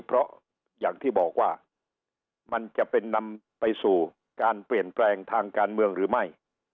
เพราะอย่างที่บอกว่ามันจะเป็นนำไปสู่การเปลี่ยนแปลงทางการเมืองหรือไม่